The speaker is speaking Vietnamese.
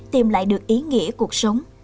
tìm lại được ý nghĩa cuộc sống